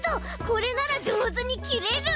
これならじょうずにきれる！